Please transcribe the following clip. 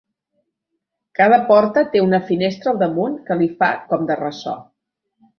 Cada porta té una finestra al damunt que li fa com de ressò.